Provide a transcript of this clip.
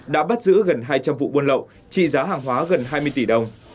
đã bắt giữ gần hai trăm linh vụ buôn lậu trị giá hàng hóa gần hai mươi tỷ đồng